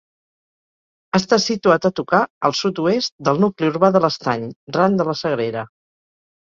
Està situat a tocar, al sud-oest, del nucli urbà de l'Estany, ran de la Sagrera.